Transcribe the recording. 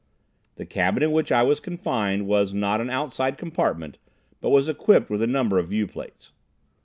The cabin in which I was confined was not an outside compartment, but was equipped with a number of viewplates.